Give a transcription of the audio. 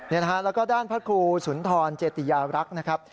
แล้วก็ด้านพระครูสุนธรเจติยารักษ์นะครับ